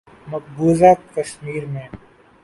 مقبوضہ کشمیر میں